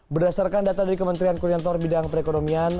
berdasarkan data dari kementerian koordinator bidang perekonomian